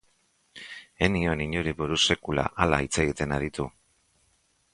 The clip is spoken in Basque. Ez nion inori buruz sekula hala hitz egiten aditu.